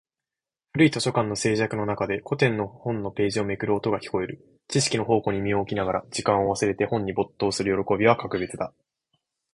古い図書館の静寂の中で、古典の本のページをめくる音が聞こえる。知識の宝庫に身を置きながら、時間を忘れて本に没頭する喜びは格別だ。